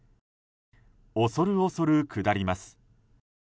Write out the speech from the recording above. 恐る恐る下ります。